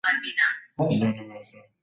Danny Carmichael একটা বানচোত।